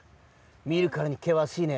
みるからにけわしいね。